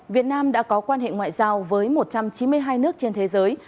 việt nam đã có quan hệ ngoại giao với một trăm chín mươi hai nước trên thế giới